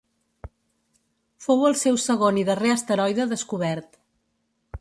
Fou el seu segon i darrer asteroide descobert.